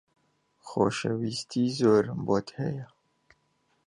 خۆشەویستیی زۆرم بۆت هەیە.